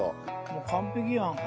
もう完璧やん。